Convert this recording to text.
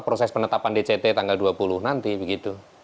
proses penetapan dct tanggal dua puluh nanti begitu